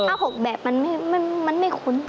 ๖แบบมันไม่คุ้น